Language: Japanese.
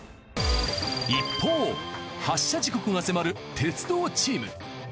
一方発車時刻が迫る鉄道チーム。